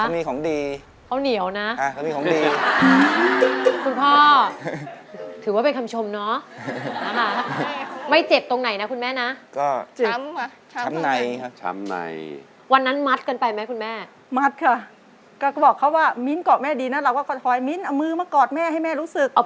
มอสไซค์ต้องซ่อมแล้วคนมีอะไรต้องซ่อมไหมคะ